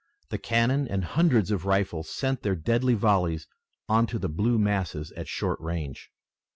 The cannon and hundreds of rifles sent their deadly volleys into the blue masses at short range.